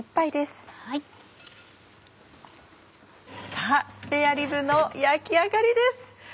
さぁスペアリブの焼き上がりです！